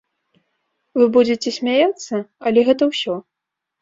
Вы будзіце смяяцца, але гэта ўсё.